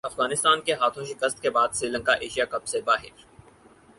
افغانستان کے ہاتھوں شکست کے بعد سری لنکا ایشیا کپ سے باہر